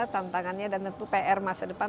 tantangannya dan tentu pr masa depan